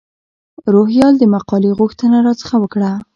روهیال د مقالې غوښتنه را څخه وکړه.